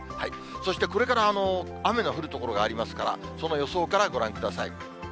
そしてこれから雨の降る所がありますから、その予想からご覧ください。